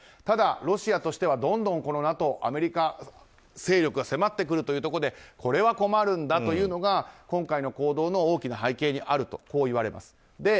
ただ、ロシアとしてはどんどんＮＡＴＯアメリカ勢力が迫ってくることがこれは困るんだというのが今回の行動の大きな背景にあるといわれます。